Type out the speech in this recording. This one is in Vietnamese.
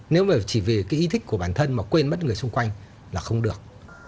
nếu mà chỉ vì cái ý thích của bản thân mà quên mất người xung quanh là không được